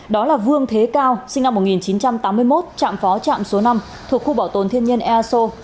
đó là vương thế cao sinh năm một nghìn chín trăm tám mươi một trạm phó trạm số năm thuộc khu bảo tồn thiên nhiên ea sô